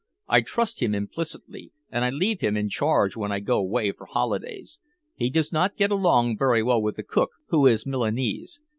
I trust him implicitly, and I leave him in charge when I go away for holidays. He does not get along very well with the cook who is Milanese.